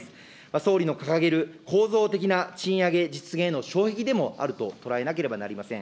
総理の掲げる構造的な賃上げ実現への障壁でもあると捉えなければなりません。